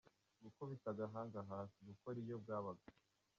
Gukubita agahanga hasi : gukora iyo bwabaga.